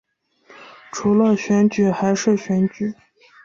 除了选举还是选举